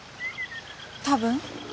多分。